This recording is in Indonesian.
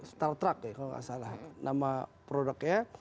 star truck kalau nggak salah nama produknya